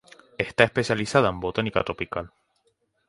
Está especializada en botánica tropical.